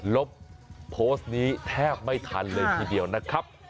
ลบโพสต์นี้แทบไม่ทันเลยทีเดียวนะครับ